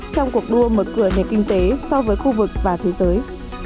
trong cuộc đua mở cửa nền kinh tế so với khu vực và thế giới